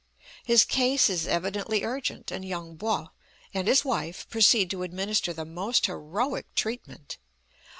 His case is evidently urgent, and Yung Po and his wife proceed to administer the most heroic treatment.